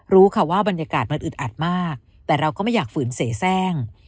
รู้ค่ะว่าบรรยากาศมันอึดอัดมากแต่เราก็ไม่อยากฝืนเสียแทร่ง